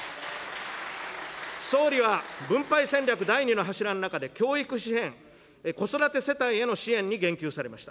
総理は分配戦略第２の柱の中で、教育費支援、子育て世帯への支援に言及されました。